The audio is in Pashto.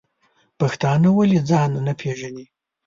پښتانه ولی ځان نه پیژنی؟